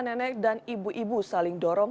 nenek dan ibu ibu saling dorong